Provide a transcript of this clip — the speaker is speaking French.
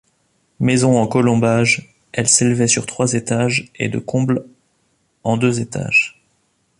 Maison en colombage, elle s'élevait sur trois étages et de combles en deux étages.